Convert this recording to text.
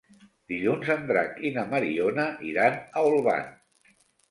Dilluns en Drac i na Mariona iran a Olvan.